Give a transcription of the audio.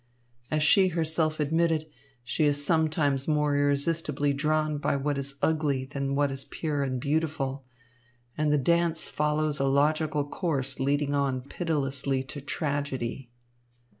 As she herself admitted, she is sometimes more irresistibly drawn by what is ugly than by what is pure and beautiful; and the dance follows a logical course leading on pitilessly to tragedy."